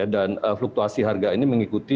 dan fluktuasi harga ini mengikuti